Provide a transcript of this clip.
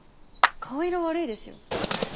顔色悪いですよ。